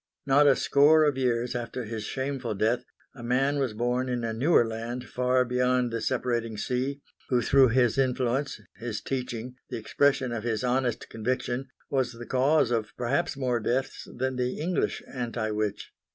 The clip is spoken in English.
Not a score of years after his shameful death, a man was born in a newer land far beyond the separating sea, who through his influence, his teaching, the expression of his honest conviction, was the cause of perhaps more deaths than the English anti witch.